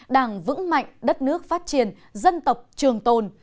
đảng vững mạnh đất nước phát triển dân tộc trường tồn